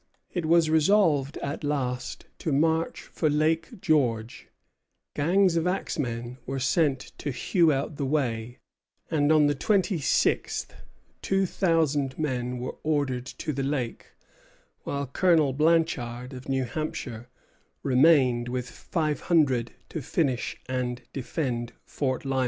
It was resolved at last to march for Lake George; gangs of axemen were sent to hew out the way; and on the twenty sixth two thousand men were ordered to the lake, while Colonel Blanchard, of New Hampshire, remained with five hundred to finish and defend Fort Lyman.